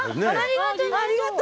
ありがとう！